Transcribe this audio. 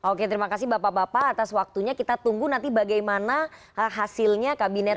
oke terima kasih bapak bapak atas waktunya kita tunggu nanti bagaimana hasilnya kabinet